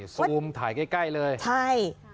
จริงถ่ายใกล้เลยใช่